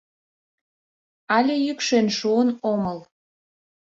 — Але йӱкшен шуын омыл.